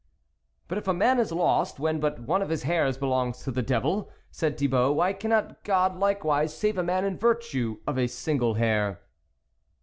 " But if a man is lost when but one of his hairs belongs to the devil," said Thi bault, " why cannot God likewise save a man in virtue of a single hair